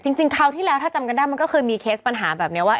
คราวที่แล้วถ้าจำกันได้มันก็เคยมีเคสปัญหาแบบนี้ว่า